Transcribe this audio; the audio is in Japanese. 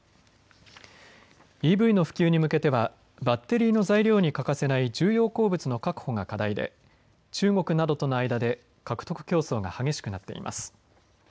ＥＶの普及に向けてはバッテリーの材料に欠かせない重要鉱物の確保が課題で中国などとの間で獲得競争が激しくなっています。